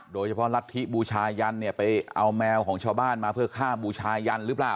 รัฐธิบูชายันเนี่ยไปเอาแมวของชาวบ้านมาเพื่อฆ่าบูชายันหรือเปล่า